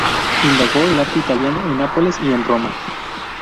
Indagó el arte italiano en Nápoles y en Roma.